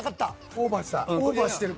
オーバーしてる。